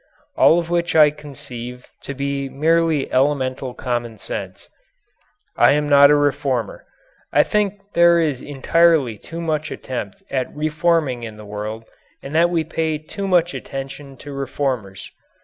All of which I conceive to be merely elemental common sense. I am not a reformer. I think there is entirely too much attempt at reforming in the world and that we pay too much attention to reformers.